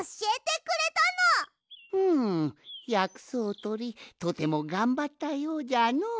うんやくそうとりとてもがんばったようじゃのう。